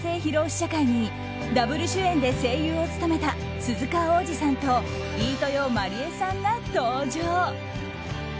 試写会にダブル主演で声優を務めた鈴鹿央士さんと飯豊まりえさんが登場。